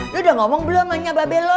lu udah ngomong belum nanya babel lu